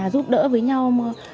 rút đỡ với nhau